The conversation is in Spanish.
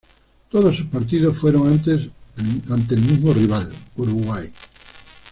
Todos sus partidos fueron ante el mismo rival, Uruguay.